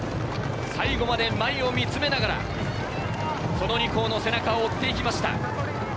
最後まで前を見つめながら、２校の背中を追ってきました。